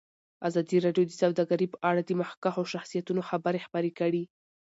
ازادي راډیو د سوداګري په اړه د مخکښو شخصیتونو خبرې خپرې کړي.